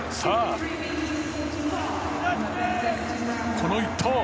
この１投。